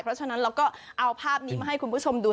เพราะฉะนั้นเราก็เอาภาพนี้มาให้คุณผู้ชมดู